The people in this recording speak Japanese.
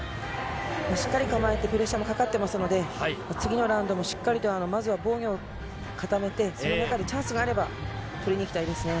しっかり構えてプレッシャーもかかっていますので次のラウンドもしっかりとまずは防御を固めてその中でチャンスがあれば取りにいきたいですね。